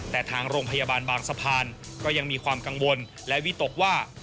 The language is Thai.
แต่ทางโรงพยาบาลบางสะพานก็ยังมีความกังวลและวิตกว่า